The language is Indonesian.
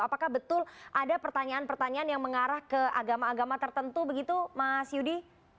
apakah betul ada pertanyaan pertanyaan yang mengarah ke agama agama tertentu begitu mas yudi